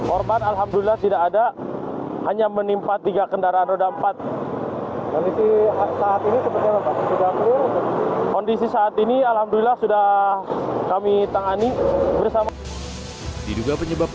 orban alhamdulillah tidak ada